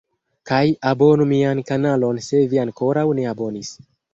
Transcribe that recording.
Kaj abonu mian kanalon se vi ankoraŭ ne abonis